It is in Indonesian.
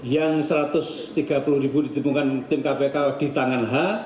sgd rp satu ratus tiga puluh ribu ditimbulkan tim kpk di tangan h